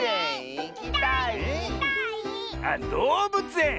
あっどうぶつえん。